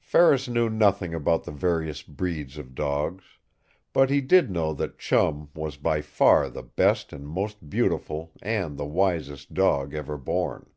Ferris knew nothing about the various breeds of dogs. But he did know that Chum was by far the best and most beautiful and the wisest dog ever born.